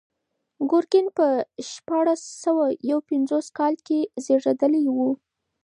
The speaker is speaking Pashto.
ګورګین په شپاړس سوه یو پنځوس کال کې زېږېدلی و.